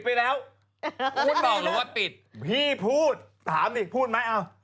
พี่พูดถามดิพูดไหม